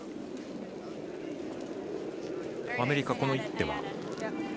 アメリカ、この一手は？